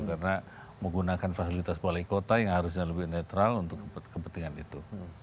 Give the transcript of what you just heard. karena menggunakan fasilitas balai kota yang harusnya lebih netral untuk kepentingan itu